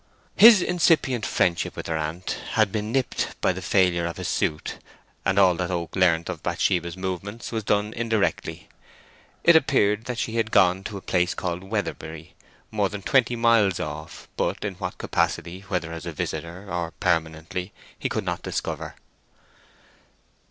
His incipient friendship with her aunt had been nipped by the failure of his suit, and all that Oak learnt of Bathsheba's movements was done indirectly. It appeared that she had gone to a place called Weatherbury, more than twenty miles off, but in what capacity—whether as a visitor, or permanently, he could not discover.